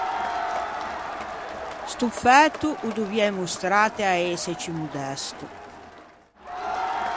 Sto fæto o doviæ mostrâte à ëse ciù modesto.